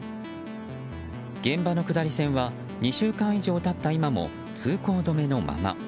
現場の下り線は２週間以上経った今も通行止めのまま。